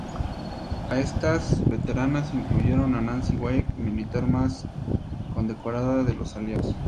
A estas veteranas incluyeron a Nancy Wake, militar más condecorada de los aliados.